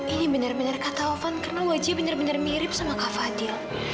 ini benar benar kata ovan karena wj benar benar mirip sama kak fadil